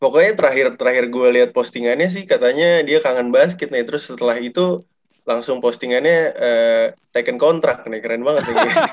pokoknya terakhir gue liat postingannya sih katanya dia kangen basket nih terus setelah itu langsung postingannya taken contract nih keren banget